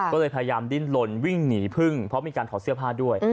ก็เลยพยายามดิ้นลนวิ่งหนีพึ่งเพราะมีการถอดเสื้อผ้าด้วย